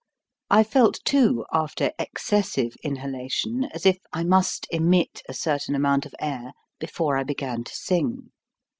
I felt, too, after excessive inhalation as if I must emit a certain amount of air before I began to sing.